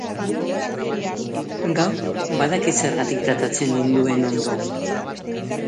Gaur, badakit zergatik tratatzen ninduen ondo.